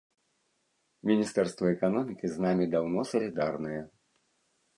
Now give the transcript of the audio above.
Міністэрства эканомікі з намі даўно салідарнае.